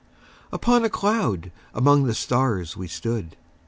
Upon a cloud among the stars we stood.